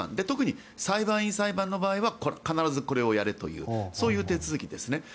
特に裁判員裁判の場合は必ずこれをやれというそういう手続きですね。